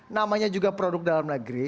namanya juga produk dalam negeri